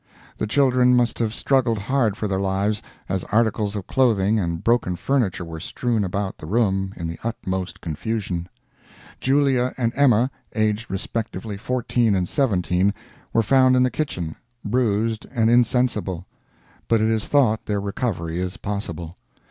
The children must have struggled hard for their lives, as articles of clothing and broken furniture were strewn about the room in the utmost confusion. Julia and Emma, aged respectively fourteen and seventeen, were found in the kitchen, bruised and insensible, but it is thought their recovery is possible.